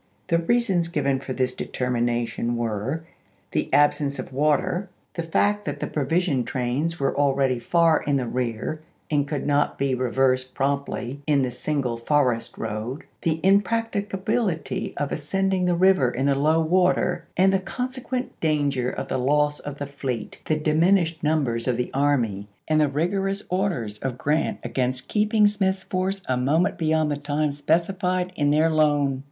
The reasons given for this determination were : the absence of water ; the 296 ABKAHAM LINCOLN CHAP. XI. fact that the provision trains were akeady far in the rear and could not be reversed promptly in the single forest road; the impracticability of as cending the river in the low water and the conse quent danger of the loss of the fleet ; the diminished numbers of the army, and the rigorous orders of Grant against keeping Smith's force a moment beyond the time specified in their loan.